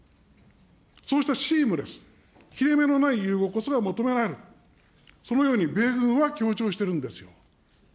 そうしたシームレス、切れ目のない融合こそが求められると、そのように米軍は強調してるんですよ。